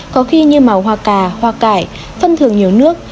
có khi như màu hoa cà hoa cải phân thường nhiều nước